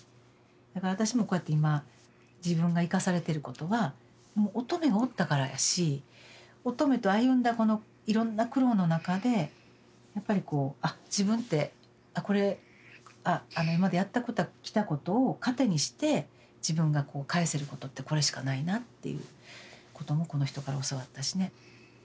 だから私もこうやって今自分が生かされてることはもう音十愛がおったからやし音十愛と歩んだこのいろんな苦労の中でやっぱりこうあっ自分ってこれ今までやってきたことを糧にして自分が返せることってこれしかないなっていうこともこの人から教わったしね。